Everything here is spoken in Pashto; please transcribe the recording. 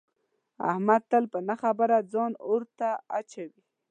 احمد تل په نه خبره ځان اور ته اچوي.